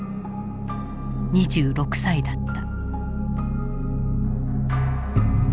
２６歳だった。